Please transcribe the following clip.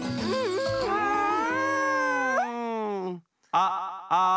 ああ。